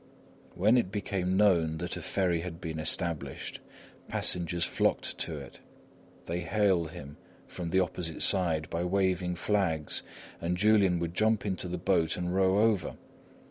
When it became known that a ferry had been established, passengers flocked to it. They hailed him from the opposite side by waving flags, and Julian would jump into the boat and row over.